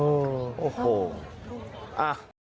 โอ้โหอ่ะ